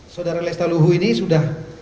saudara lestaluhu ini sudah